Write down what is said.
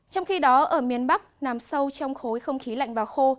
trong khi đó ở miền bắc nằm sâu trong khối không khí lạnh và khô